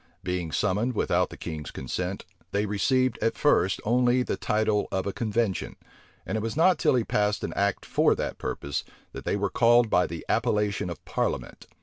Being summoned without the king's consent, they received, at first, only the title of a convention; and it was not till he passed an act for that purpose, that they were called by the appellation of parliament.